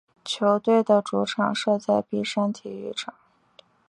球队的主场设在碧山体育场。